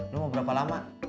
lo mau berapa lama